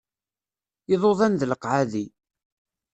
Iḍudan d leqɛadi.